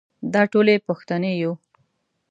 دا ټولې پوښتنې يو.